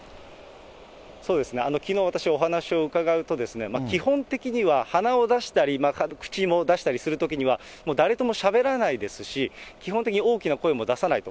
そうですね、きのう、私、お話を伺うと、基本的には、鼻を出したり、口も出したりするときには、もう誰ともしゃべらないですし、基本的に大きな声も出さないと。